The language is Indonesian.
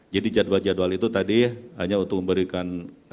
jadi jadwal jadwal itu tadi hanya untuk memberikan